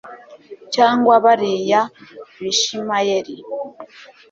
cyangwa bariya bishimayeri